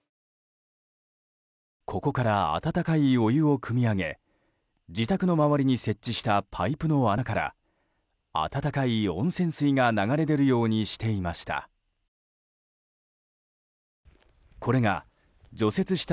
ここから温かいお湯をくみ上げ自宅の周りに設置したパイプの穴から温かい温泉水が流れ出るようにしていました。